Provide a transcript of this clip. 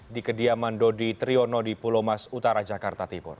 di kediaman dodi triono di pulau mas utara jakarta timur